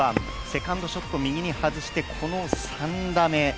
セカンドショット、右に外して、この３打目。